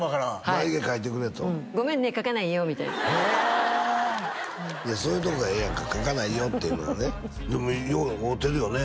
眉毛描いてくれと「ごめんね描かないよ」みたいなへえいやそういうとこがええやんか描かないよっていうのがねでもよう合うてるよね